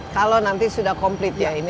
kalau nanti sudah komplit ya ini